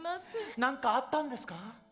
何かあったんですか？